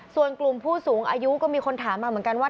ส่วนกลุ่มผู้สูงอายุก็มีคนถามมาเหมือนกันว่า